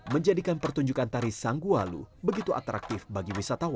menjadikan pertunjukan tari sangguwalu begitu atraktif bagi wisatawan